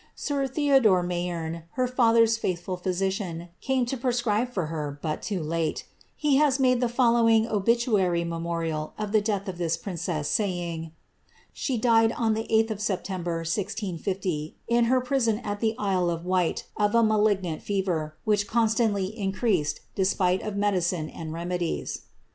Sir ' dore Mayeme, her father's faithful physician, came to preacribe fc but too late ; he has made the following obituary memorial of the of this princess, saying, ^she died on the 8th of September, 1650, prison at the Isle of Wight, of a malignant fever, which constaal creased, despite of medicine and remedies."'